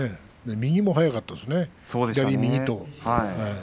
右が速かったですね、左、右と。